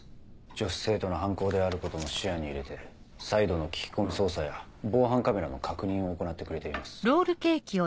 女子生徒の犯行であることも視野に入れて再度の聞き込み捜査や防犯カメラの確認を行ってくれています。